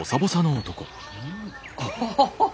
アハハハ